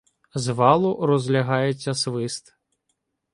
З валу розлягається свист.